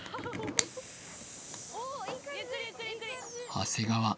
長谷川